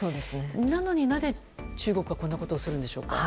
なのに、なぜ中国はこんなことをするんでしょうか。